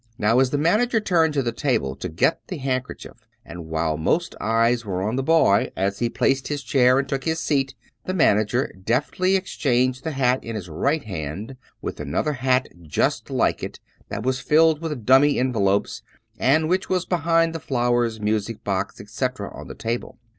Now, as the manager turned to the table to get the hand kerchief, and while most eyes were on the boy as he placed his chair and took his seat, the manager deftly exchanged the hat in his right hand for another hat just like it, that was filled with " dummy " envelopes and which was behind the flowers, music box, etc., on the table.